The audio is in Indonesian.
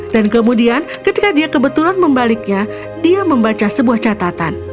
dan kemudian ketika dia kebetulan membaliknya dia membaca sebuah catatan